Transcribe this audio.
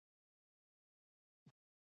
هغه قوانین چې فردیت ته زیان رسوي بد دي.